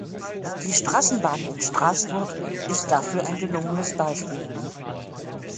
Die Straßenbahn in Straßburg ist dafür ein gelungenes Beispiel.